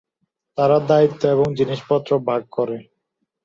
তারা দায়িত্ব এবং জিনিসপত্র ভাগ করে।